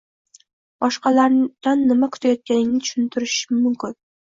boshqalardan nima kutayotganingni tushuntirishing mumkin.